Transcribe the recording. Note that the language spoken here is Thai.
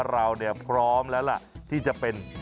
เราเนี่ยพร้อมแล้วล่ะที่จะเป็น